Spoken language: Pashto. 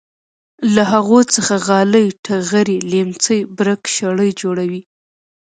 له هغو څخه غالۍ ټغرې لیمڅي برک شړۍ جوړوي.